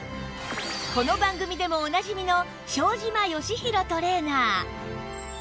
この番組でもおなじみの庄島義博トレーナー